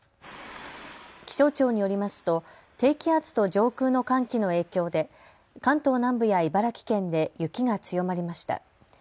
気象庁によりますと低気圧と上空の寒気の影響で関東南部や茨城県で雪が強まりました。